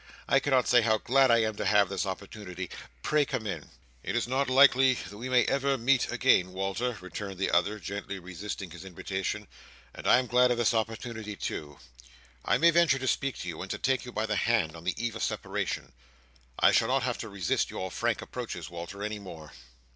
I cannot say how glad I am to have this opportunity. Pray come in." "It is not likely that we may ever meet again, Walter," returned the other, gently resisting his invitation, "and I am glad of this opportunity too. I may venture to speak to you, and to take you by the hand, on the eve of separation. I shall not have to resist your frank approaches, Walter, any more."